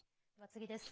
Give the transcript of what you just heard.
次です。